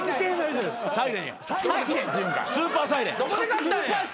スーパーサイレン。